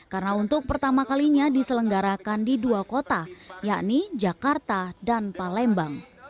karena untuk pertama kalinya diselenggarakan di dua kota yakni jakarta dan palembang